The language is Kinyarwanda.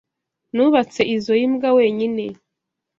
Nubatse izoi mbwa wenyine.